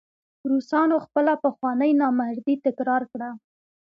روسانو خپله پخوانۍ نامردي تکرار کړه.